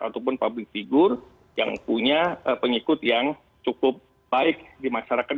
ataupun public figure yang punya pengikut yang cukup baik di masyarakat